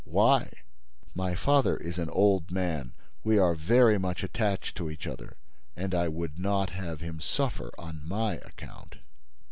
"Why?" "My father is an old man. We are very much attached to each other—and I would not have him suffer on my account."